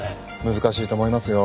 難しいと思いますよ。